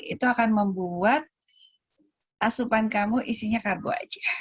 itu akan membuat asupan kamu isinya karbo aja